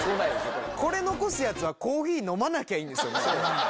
これ残すやつは、コーヒー飲まなきゃいいんですよ、もう。